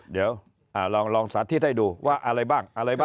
เดี๋ยวลองสัดทิศให้ดูว่าอะไรบ้าง